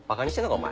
お前。